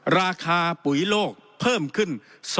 ราคาปุ๋ยโลกเพิ่มขึ้น